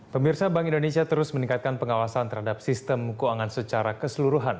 pemirsa bank indonesia terus meningkatkan pengawasan terhadap sistem keuangan secara keseluruhan